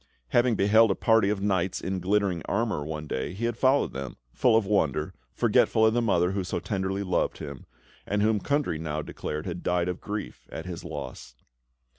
Having beheld a party of knights in glittering armour one day, he had followed them, full of wonder, forgetful of the mother who so tenderly loved him, and whom Kundry now declared had died of grief at his loss.